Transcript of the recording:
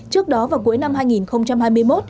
trước đó vào cuối năm hai nghìn hai mươi một